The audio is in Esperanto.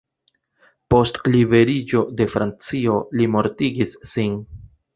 Post liberiĝo de Francio, li mortigis sin.